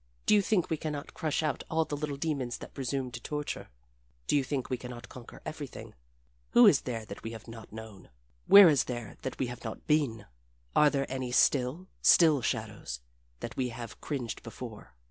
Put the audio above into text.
"Do you think we can not crush out all the little demons that presume to torture? Do you think we can not conquer everything? Who is there that we have not known? Where is there that we have not been? Are there any still, still shadows that we have cringed before?